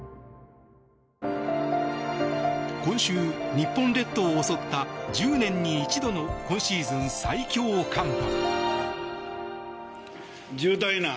今週、日本列島を襲った１０年に一度の今シーズン最強寒波。